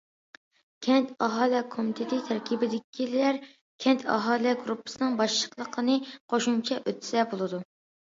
كەنت ئاھالە كومىتېتى تەركىبىدىكىلەر كەنت ئاھالە گۇرۇپپىسىنىڭ باشلىقلىقىنى قوشۇمچە ئۆتىسە بولىدۇ.